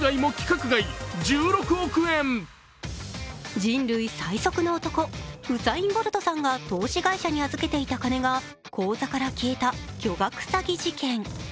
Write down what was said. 人類最速の男、ウサイン・ボルトさんが投資会社に預けていた金が口座から消えた巨額詐欺事件。